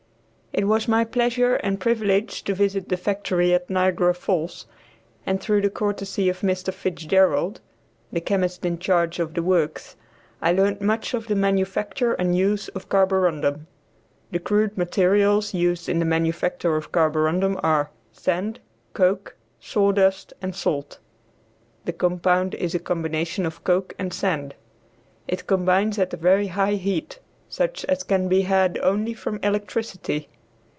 It was my pleasure and privilege to visit the factory at Niagara Falls, and through the courtesy of Mr. Fitzgerald, the chemist in charge of the works, I learned much of the manufacture and use of carborundum. The crude materials used in the manufacture of carborundum are, sand, coke, sawdust and salt; the compound is a combination of coke and sand. It combines at a very high heat, such as can be had only from electricity.